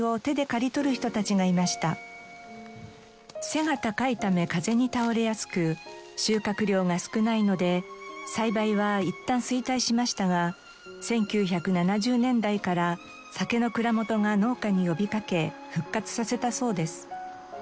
背が高いため風に倒れやすく収穫量が少ないので栽培はいったん衰退しましたが１９７０年代から酒の蔵元が農家に呼びかけ復活させたそうです。